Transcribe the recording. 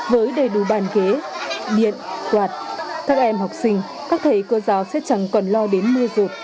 với đầy đủ bàn ghế điện quạt các em học sinh các thầy cô giáo sẽ chẳng còn lo đến mưa rột